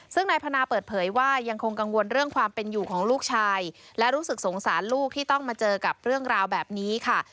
ซึ่งนายพนาเปิดเผยว่ายังคงกังวลเรื่องความเป็นอยู่ของลูกชายและรู้สึกสงสารลูกที่ต้องมาเจอกับเรื่องราวแบบนี้ค่ะ